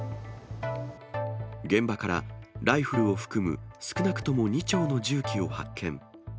現場からライフルを含む少なくとも２丁の銃器を発見。